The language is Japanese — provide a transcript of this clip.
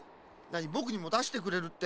ぼくにもだしてくれるって？